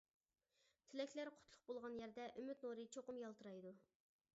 تىلەكلەر قۇتلۇق بولغان يەردە ئۈمىد نۇرى چوقۇم يالتىرايدۇ!